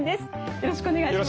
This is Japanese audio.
よろしくお願いします。